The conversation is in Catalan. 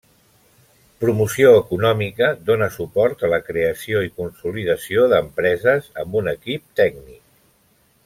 Promoció Econòmica dóna suport a la creació i consolidació d'empreses amb un equip tècnic.